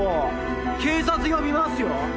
警察呼びますよ！